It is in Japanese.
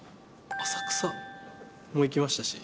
浅草も行きましたし。